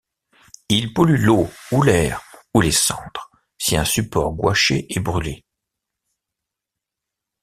Ils polluent l'eau, ou l'air ou les cendres si un support gouaché est brûlé.